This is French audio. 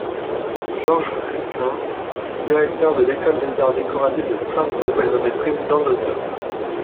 Georges Ritleng, directeur de l’École des Arts décoratifs de Strasbourg, est nommé président d’honneur.